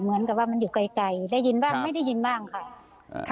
เหมือนกับว่ามันอยู่ไกลได้ยินบ้างไม่ได้ยินบ้างค่ะ